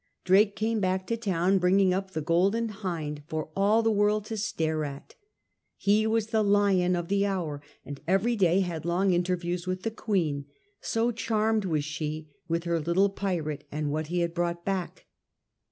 Drake came back to town, bringing up the Golden Hind for all the world to stare at. He was the lion of the hour, and every day had long interviews with the Queen, so charmed was she with her little pirate and what he had brought back.